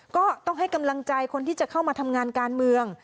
ก็ต้องให้กำลังใจคนที่จะเข้ามาทำงานการเมือง